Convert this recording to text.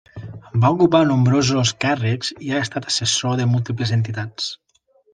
Va ocupar nombrosos càrrecs i ha estat assessor de múltiples entitats.